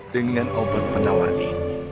dengan obat penawar ini